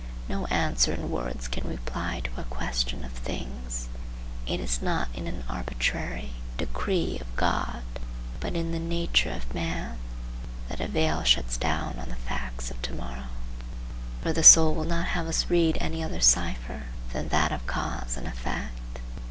No answer in words can reply to a question of things. It is not in an arbitrary "decree of God," but in the nature of man, that a veil shuts down on the facts of to morrow; for the soul will not have us read any other cipher than that of cause and effect.